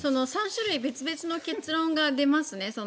３種類別々の結論が出ると思いますね。